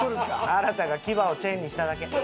新太が牙をチェンジしただけ。